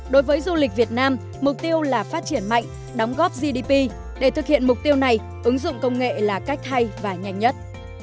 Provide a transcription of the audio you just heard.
đối với du lịch việt nam mục tiêu là phát triển mạnh đóng góp gdp để thực hiện mục tiêu này ứng dụng công nghệ là cách hay và nhanh nhất